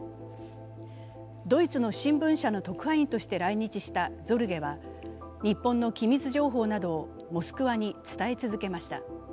ドイツの新聞社の特派員として来日したゾルゲは日本の機密情報などをモスクワに伝え続けました。